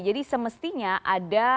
jadi semestinya ada